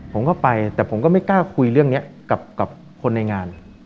ผมก็ไปแต่ผมก็ไม่กล้าคุยเรื่องนี้กับคนในงาน